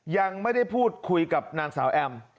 ยังไม่ได้พูดคุยกับนางสาวแอม